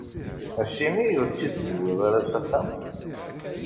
Acimi ur tt-id-tewwiḍ ara s axxam?